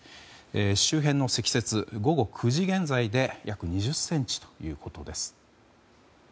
周辺の積雪、午後９時現在で約２０ｃｍということです。